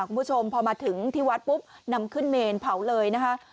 คุณผู้ชมพอมาถึงที่วัดปุ๊บนำขึ้นเมนเผาเลยนะคะ